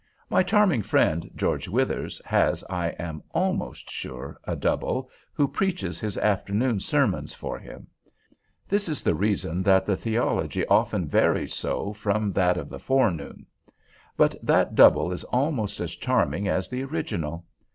My charming friend, George Withers, has, I am almost sure, a double, who preaches his afternoon sermons for him. This is the reason that the theology often varies so from that of the forenoon. But that double is almost as charming as the original.